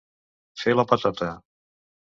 Fer la patota.